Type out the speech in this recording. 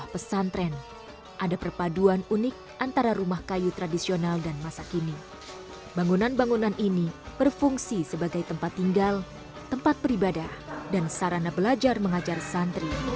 pesantren pribadi yupi langsung beep nirwala masjid yang main otot j narcissam